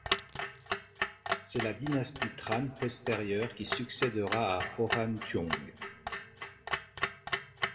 C'est la dynastie Trần postérieure qui succèdera à Hồ Hán Thương.